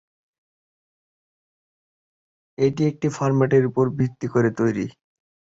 এটি একটি ফর্ম্যাটের উপর ভিত্তি করে তৈরি।